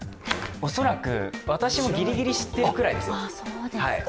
恐らく私もギリギリ知っているくらいです。